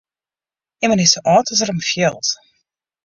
Immen is sa âld as er him fielt.